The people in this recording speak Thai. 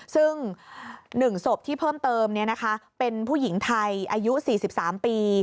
ซึ่ง๑ศพที่เพิ่มเติมเป็นผู้หญิงไทยอายุ๔๓ปี